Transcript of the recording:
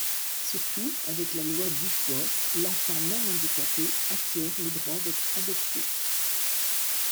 Surtout, avec la loi Dufoix, l’enfant même handicapé acquiert le droit d’être adopté.